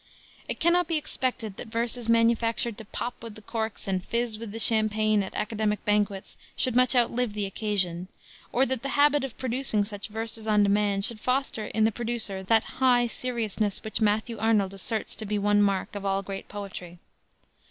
It cannot be expected that verses manufactured to pop with the corks and fizz with the champagne at academic banquets should much outlive the occasion; or that the habit of producing such verses on demand should foster in the producer that "high seriousness" which Matthew Arnold asserts to be one mark of all great poetry.